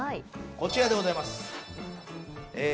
こちらでございますえー